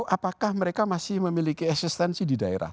apakah mereka masih memiliki eksistensi di daerah